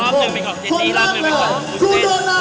รอบหนึ่งเป็นของเจนนี่รอบหนึ่งเป็นของกุศเซน